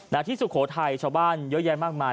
และที่สุโขทัยชาวบ้านเยอะแยะมากมาย